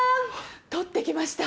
取ってきました。